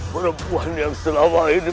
perempuan yang selama ini